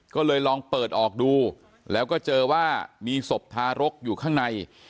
ก็เลยลองเปิดออกดูแล้วก็เจอว่ามีศพทารกอยู่ข้างใน